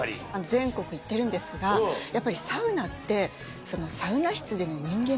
全国行ってるんですがやっぱりサウナって。